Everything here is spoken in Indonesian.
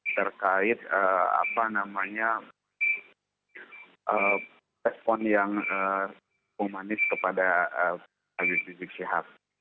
terkait apa namanya respon yang pemanis kepada pak rizik sihab